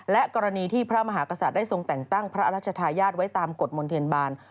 และกรณีที่พระมหากษัตริย์ได้ทรงแต่งตั้งพระราชทายาทไว้ตามกฎมนเทียนบาล